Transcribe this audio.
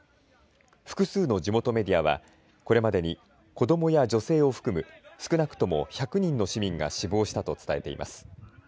複数の地元メディアはこれまでに子どもや女性を含む少なくとも１００人の市民が死亡したと伝えています。